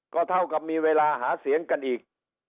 ก็เท่ากับมีเวลาหาเสียงกันอีก